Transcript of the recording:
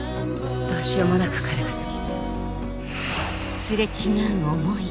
どうしようもなく彼が好き。